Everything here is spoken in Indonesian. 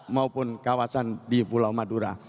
maupun kawasan di pulau madura